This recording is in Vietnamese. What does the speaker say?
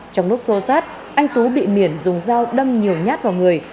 trong lúc xô sát anh tú bị miển dùng dao đâm nhiều nhát vào người